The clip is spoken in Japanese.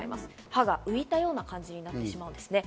歯が浮いたような感じになってしまうんですね。